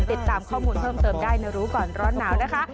ติดตามข้อมูลเพิ่มเติมได้ในรู้ก่อนร้อนหนาวนะคะ